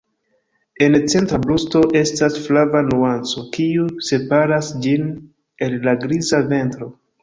En centra brusto estas flava nuanco kiu separas ĝin el la griza ventro.